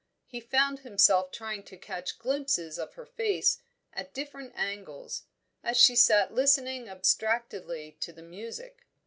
He found himself trying to catch glimpses of her face at different angles, as she sat listening abstractedly to the music.